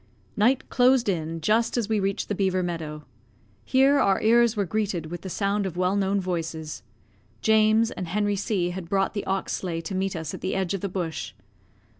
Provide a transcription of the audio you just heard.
Night closed in just as we reached the beaver meadow. Here our ears were greeted with the sound of well known voices. James and Henry C had brought the ox sleigh to meet us at the edge of the bush.